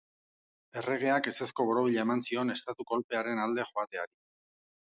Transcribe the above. Erregeak ezezko borobila eman zion estatu-kolpearen alde joateari.